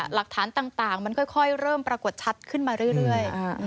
หลักฐานต่างมันค่อยเริ่มปรากฏชัดขึ้นมาเรื่อย